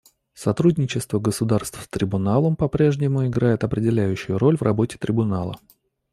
Сотрудничество государств с Трибуналом по-прежнему играет определяющую роль в работе Трибунала.